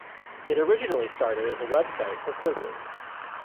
It originally started as a website for quizzes.